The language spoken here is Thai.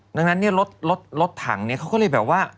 ดังนั้นเนี่ยรถถังเนี่ยเขาก็เลยแบบว่า